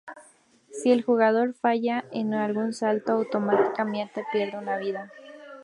Si el jugador falla en algún salto, automáticamente pierde una vida.